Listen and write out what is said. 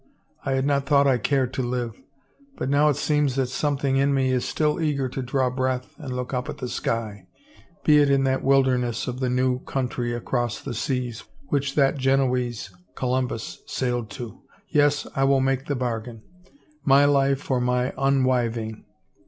I had not thought I cared to live, but now it seems that something in me is still eager to draw breath and look up at the sky — be it in that wilderness of the New Country across the seas which that Genoese, Columbus, sailed to. Yes, I will make the bargain — my life "for my unwiving.